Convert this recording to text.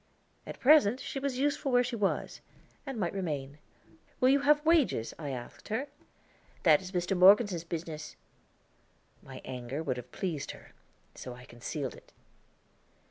At present she was useful where she was, and might remain. "Will you have wages?" I asked her. "That is Mr. Morgeson's business." My anger would have pleased her, so I concealed it.